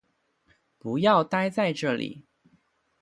不要待在这里